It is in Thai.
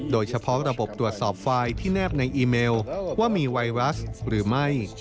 โดยเฉพาะระบบตรวจสอบไฟล์ที่แนบในอีเมลว่ามีไวรัสหรือไม่